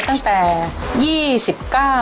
ตั้งแต่๑๙๒๙